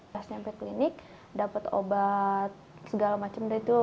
pas nyampe klinik dapet obat segala macem dari itu